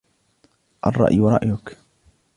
الرأي رأيك.